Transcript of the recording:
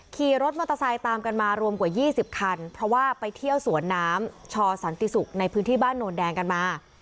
ขี่รถมอเตอร์ไซค์ตามกันมารวมกว่า๒๐คันเพราะว่าไปเที่ยวสวนน้ำชอสันติศุกร์ในพื้นที่บ้านโนนแดงกันมา